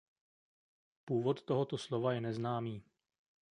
Původ tohoto slova je neznámý.